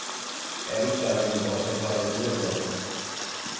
Ela estará de volta para as duas horas.